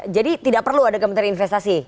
jadi tidak perlu ada kementerian investasi